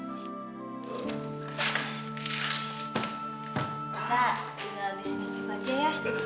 kita tinggal disini dulu aja ya